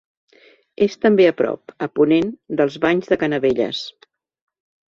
És també a prop, a ponent, dels Banys de Canavelles.